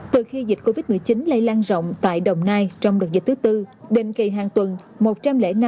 từ khi dịch covid một mươi chín lây lan rộng tại đồng nai trong đợt dịch thứ bốn định kỳ hàng tuần